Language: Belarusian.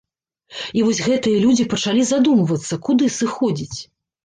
І вось гэтыя людзі пачалі задумвацца, куды сыходзіць?